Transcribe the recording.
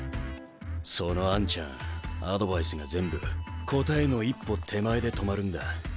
そのあんちゃんアドバイスが全部答えの一歩手前で止まるんだ。